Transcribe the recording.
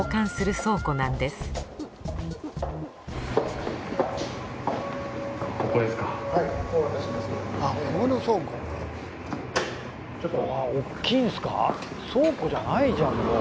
倉庫じゃないじゃんもう。